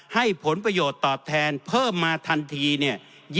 ผลประโยชน์ตอบแทนเพิ่มมาทันทีเนี่ย